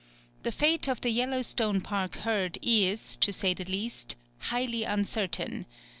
The fate of the Yellowstone Park herd is, to say the least, highly uncertain.